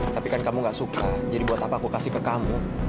tapi kan kamu gak suka jadi buat apa aku kasih ke kamu